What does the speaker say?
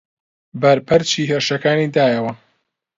بەرپەرچی هێرشەکانی دایەوە